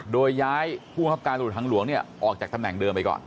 โดยย้ายผู้บังคับการตรวจทางหลวงออกจากตำแหน่งเดิมไปก่อน